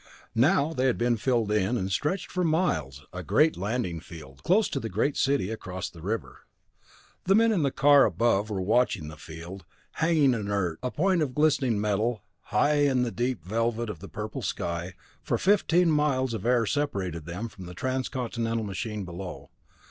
Now they had been filled in, and stretched for miles, a great landing field, close to the great city across the river. The men in the car above were watching the field, hanging inert, a point of glistening metal, high in the deep velvet of the purple sky, for fifteen miles of air separated them from the Transcontinental machine below.